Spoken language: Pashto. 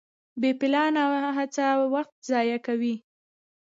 بې پلانه هڅه وخت ضایع کوي.